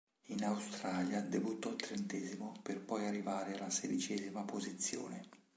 In Australia debuttò trentesimo per poi arrivare alla sedicesima posizione.